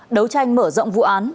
đấu tranh mở rộng vụ án